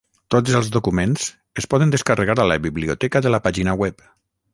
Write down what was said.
Tots els documents es poden descarregar a la biblioteca de la pàgina web.